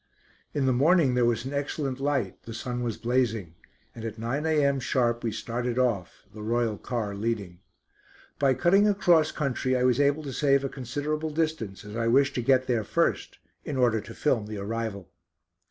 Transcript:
In the morning there was an excellent light, the sun was blazing; and at 9 a.m. sharp we started off, the royal car leading. By cutting across country I was able to save a considerable distance as I wished to get there first, in order to film the arrival.